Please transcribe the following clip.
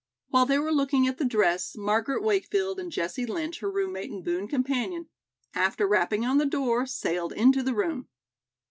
While they were looking at the dress, Margaret Wakefield and Jessie Lynch, her roommate and boon companion, after rapping on the door, sailed into the room.